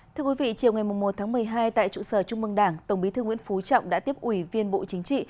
thưa quý vị chiều ngày một tháng một mươi hai tại trụ sở trung mương đảng tổng bí thư nguyễn phú trọng đã tiếp ủy viên bộ chính trị